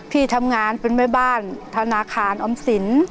พี่ทำงานเป็นแม่บ้านธนาคารออมสิน